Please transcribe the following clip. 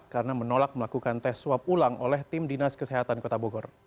karena menolak melakukan tes swab ulang oleh tim dinas kesehatan kota bogor